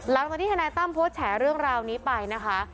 หลังจากที่ทนายตั้มโพสต์แฉเรื่องราวนี้ไปนะคะ